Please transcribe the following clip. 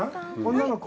女の子。